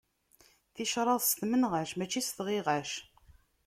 Ticraḍ s tmenɣac, mačči s tɣiɣac.